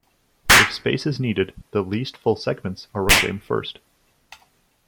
If space is needed, the least-full segments are reclaimed first.